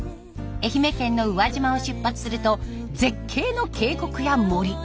愛媛県の宇和島を出発すると絶景の渓谷や森。